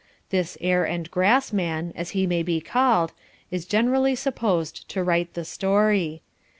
This Air and Grass man, as he may be called, is generally supposed to write the story...